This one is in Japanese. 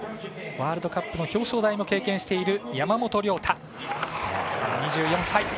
ワールドカップの表彰台も経験している山本涼太、２４歳。